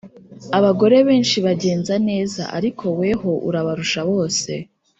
“abagore benshi bagenza neza, ariko weho urabarusha bose”